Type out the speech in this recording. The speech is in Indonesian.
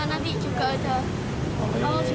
nanti juga ada kalau suka bantu